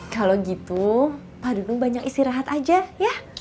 kalau gitu pak dudung banyak istirahat aja ya